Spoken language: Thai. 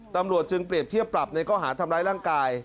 ตำรวจจึงเปรียบเทียบปรับในข้อหาทำร้ายร่างกาย